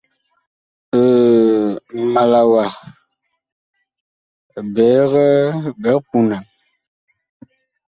Ma la wa biig punan.